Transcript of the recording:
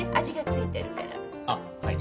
あっはい。